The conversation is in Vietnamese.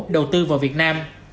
đầu tư vào việt nam